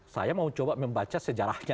saya mau coba membaca sejarahnya